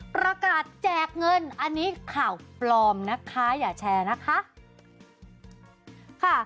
แจกเงินอันนี้ข่าวปลอมนะคะอย่าแชร์นะคะ